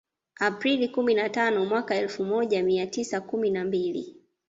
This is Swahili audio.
Aprili kumi na tano mwaka elfu moja mia tisa kumi na mbili